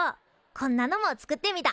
こんなのも作ってみた。